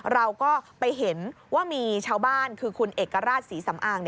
เราก็ไปเห็นว่ามีชาวบ้านคือคุณเอกราชศรีสำอาง